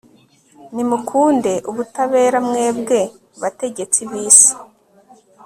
nimukunde ubutabera, mwebwe bategetsi b'isi